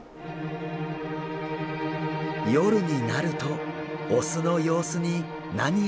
夜になるとオスの様子に何やら変化が！？